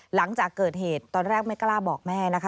หลังจากเกิดเหตุตอนแรกไม่กล้าบอกแม่นะคะ